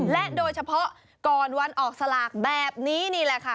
และโดยเฉพาะก่อนวันออกสลากแบบนี้นี่แหละค่ะ